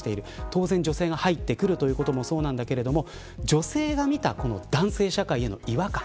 当然、女性が入ってくることもそうなんだけれども女性が見た男性社会への違和感